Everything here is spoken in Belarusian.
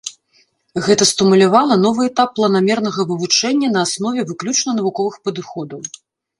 Гэта стымулявала новы этап планамернага вывучэння на аснове выключна навуковых падыходаў.